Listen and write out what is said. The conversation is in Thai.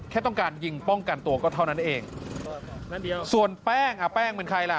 แค่ต้องการยิงป้องกันตัวก็เท่านั้นเองส่วนแป้งอ่ะแป้งเป็นใครล่ะ